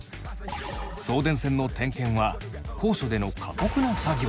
送電線の点検は高所での過酷な作業。